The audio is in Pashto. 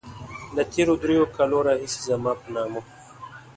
له تېرو دريو کالو راهيسې زما په نامه.